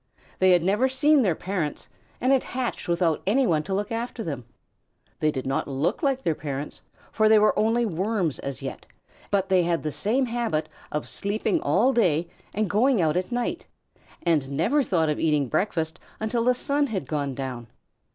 They had never seen their parents, and had hatched without any one to look after them. They did not look like their parents, for they were only worms as yet, but they had the same habit of sleeping all day and going out at night, and never thought of eating breakfast until the sun had gone down.